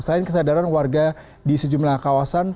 selain kesadaran warga di sejumlah kawasan